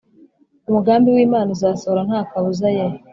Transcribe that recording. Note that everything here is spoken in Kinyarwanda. Umugambi w Imana uzasohora nta kabuza Ye